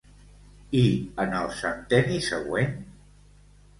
I en el centenni següent?